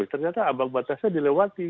ternyata ambang batasnya dilewati